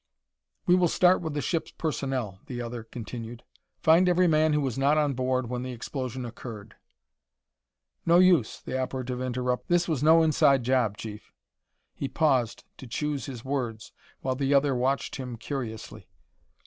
"We will start with the ship's personnel," the other continued; "find every man who was not on board when the explosion occurred " "No use," the operative interrupted; "this was no inside job, Chief." He paused to choose his words while the other watched him curiously.